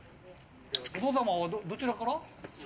お父様、どちらから？